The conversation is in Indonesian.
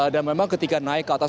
dan memang ketika naik ke atas